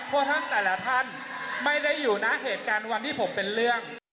เพราะท่านแต่ละท่านไม่ได้อยู่นะเหตุการณ์วันที่ผมเป็นเรื่อง